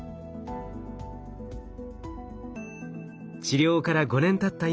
治療から５年たった